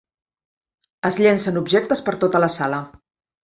Es llencen objectes per tota la sala.